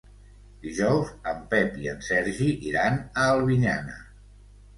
Dijous en Pep i en Sergi iran a Albinyana.